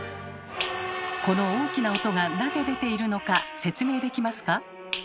この大きな音がなぜ出ているのか説明できますか？